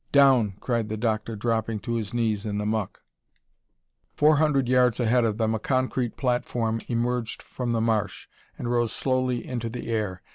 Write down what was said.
"Down!" cried the doctor, dropping to his knees in the muck. Four hundred yards ahead of them a concrete platform emerged from the marsh and rose slowly into the air.